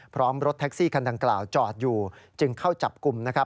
รถแท็กซี่คันดังกล่าวจอดอยู่จึงเข้าจับกลุ่มนะครับ